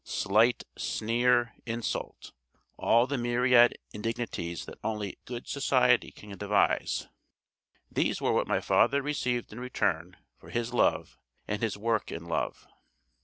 Slight, sneer, insult, all the myriad indignities that only 'good society' can devise, these were what my father received in return for his love and his work in love.